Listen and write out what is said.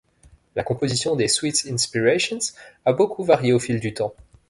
La composition des Sweets Inspirations a beaucoup varié au fil du temps.